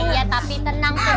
ya tapi tenang tenang